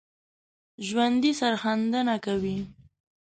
ژوندي سرښندنه کوي